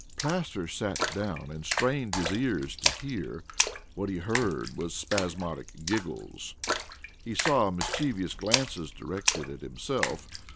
Plaster sat down and strained his ears to hear. What he heard was spasmodic giggles. He saw mischievous glances directed to himself.